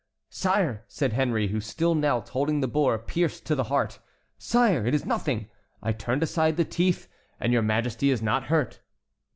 "Sire," said Henry, who still knelt holding the boar pierced to the heart, "sire, it is nothing, I turned aside the teeth, and your Majesty is not hurt."